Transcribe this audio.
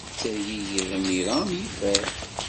Ttergigiɣ imir am yifer.